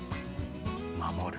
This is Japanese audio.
守る。